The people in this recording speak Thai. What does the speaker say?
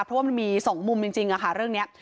เพราะว่ามันมีสองมุมจริงจริงอ่ะค่ะเรื่องเนี้ย